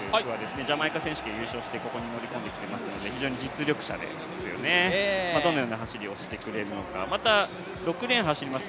ジャマイカ選手権を優勝してここに乗り込んでいていますので、非常に実力者ですどのような走りをしてくれるのかまた、６レーンを走ります